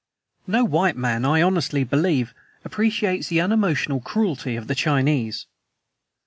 No white man, I honestly believe, appreciates the unemotional cruelty of the Chinese.